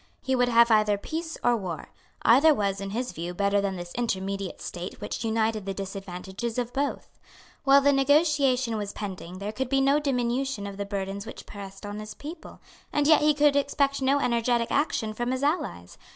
He would have either peace or war. Either was, in his view, better than this intermediate state which united the disadvantages of both. While the negotiation was pending there could be no diminution of the burdens which pressed on his people; and yet he could expect no energetic action from his allies.